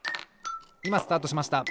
いまスタートしました。